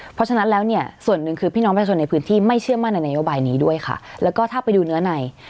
เพราะฉะนั้นแล้วเนี่ยส่วนหนึ่งคือพี่น้องประชาชนในพื้นที่ไม่เชื่อมั่นในนโยบายนี้ด้วยค่ะแล้วก็ถ้าไปดูเนื้อใน